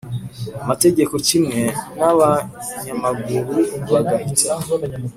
Amategeko kimwe n abanyamaguru bagahita